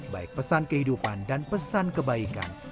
baik pesan kehidupan dan pesan kebaikan